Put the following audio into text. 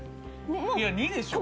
いや２でしょう